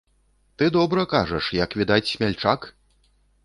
Ты добра кажаш, як відаць, смяльчак!